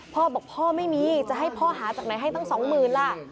พ่อบอกพ่อไม่มีจะให้พ่อหาจากไหนให้ตั้งสองหมื่นล่ะ